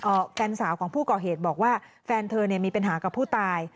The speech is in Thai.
แฟนสาวของผู้ก่อเหตุบอกว่าแฟนเธอเนี่ยมีปัญหากับผู้ตาย